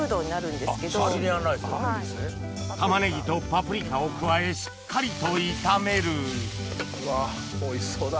玉ねぎとパプリカを加えしっかりと炒めるおいしそうだ。